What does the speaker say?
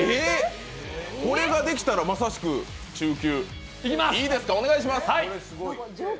これができたらまさしく中級。